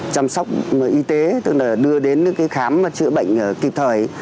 chăm sóc y tế tức là đưa đến khám chữa bệnh kịp thời